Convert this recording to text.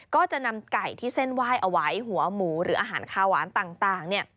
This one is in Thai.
ก็จะนำไก่ที่เส้นไหว้เอาไว้หัวหมูหรืออาหารข้าวหวานต่าง